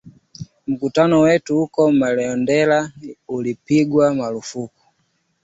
Mkutano wetu huko Marondera ulipigwa marufuku.